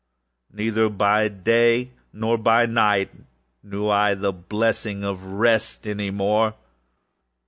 neither by day nor by night knew I the blessing of rest any more!